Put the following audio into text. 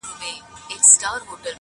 دومره مړه کي په ښارونو کي وګړي -